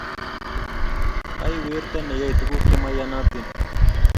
Ai werto neyoe tuguk chemaiyanatin